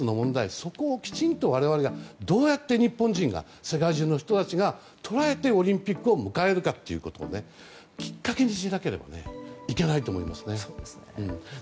そこをきちんと我々日本人が、どうやって世界中の人たちが捉えてオリンピックを迎えるかということをきっかけにしなければいけないと思います。